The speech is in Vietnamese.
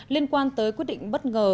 liên quan tới quyết định bất ngờ